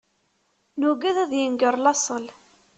Nugad ad yenger laṣel.